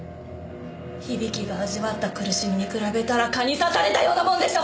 響が味わった苦しみに比べたら蚊に刺されたようなもんでしょ！